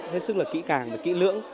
hết sức kỹ càng và kỹ lưỡng